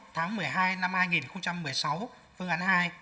tháng một mươi hai năm hai nghìn một mươi sáu phương án hai